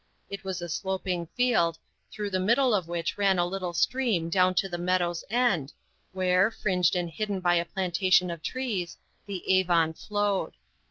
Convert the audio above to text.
It was a sloping field, through the middle of which ran a little stream down to the meadow's end, where, fringed and hidden by a plantation of trees, the Avon flowed.